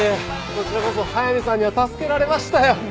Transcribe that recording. こちらこそ速見さんには助けられましたよ。